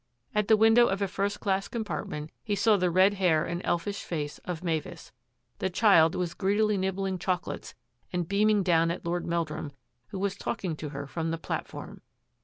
At the window of a first class compartment he saw the red hair and elfish face of Mavis. The child was greedily nib bling chocolates and beaming down at Lord Mel drum, who was talking to her from the platform.